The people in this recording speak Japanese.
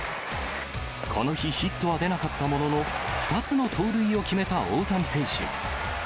この日ヒットは出なかったものの、２つの盗塁を決めた大谷選手。